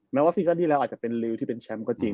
ไม่ว่าศีวิสันที่แรกอาจจะเป็นริวที่เป็นชำก็จริง